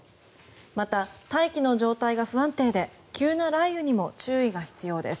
また、大気の状態が不安定で急な雷雨にも注意が必要です。